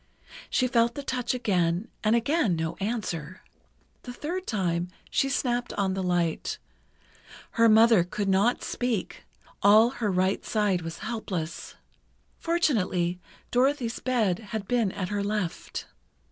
She felt the touch again, and again got no answer. The third time, she snapped on the light. Her mother could not speak—all her right side was helpless. Fortunately, Dorothy's bed had been at her left.